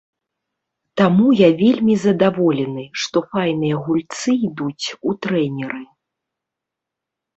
Таму я вельмі задаволены, што файныя гульцы ідуць у трэнеры.